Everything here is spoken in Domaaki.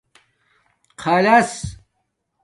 خلاس